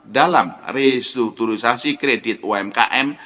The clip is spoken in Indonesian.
dalam restrukturisasi kredit umkm